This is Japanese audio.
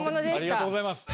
ありがとうございます。